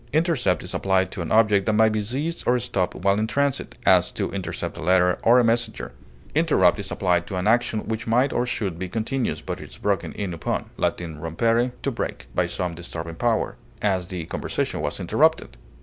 Intercept is applied to an object that may be seized or stopped while in transit; as, to intercept a letter or a messenger; interrupt is applied to an action which might or should be continuous, but is broken in upon (L. rumpere, to break) by some disturbing power; as, the conversation was interrupted.